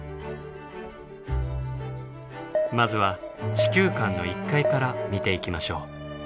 まずは地球館の１階から見ていきましょう。